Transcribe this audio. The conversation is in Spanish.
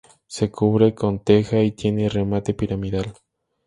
Se cubre con teja y tiene remate piramidal.